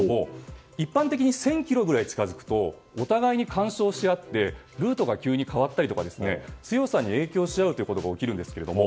一般的に１０００ｋｍぐらいに近づくとお互い干渉しあってルートが急に変わったり強さに影響し合うことが起きるんです。